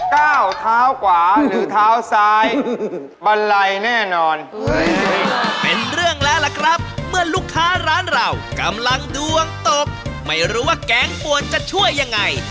น่าชอบดูอะไรบ้างคะแสดง